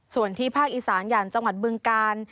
ส่วนที่ภาคอีสานอย่างจังหวัดบึงกาล